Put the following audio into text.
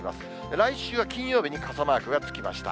来週は金曜日に傘マークがつきました。